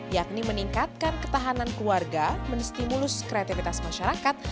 yakni meningkatkan ketahanan keluarga menstimulus kreativitas masyarakat